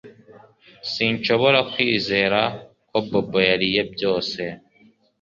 Sinshobora kwizera ko Bobo yariye byose